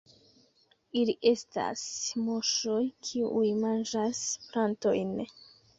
Ili estas muŝoj, kiuj manĝas plantojn.